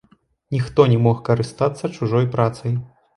Ніхто не мог карыстацца чужой працай.